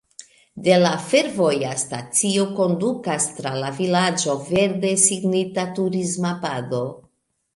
De la fervoja stacio kondukas tra la vilaĝo verde signita turisma pado.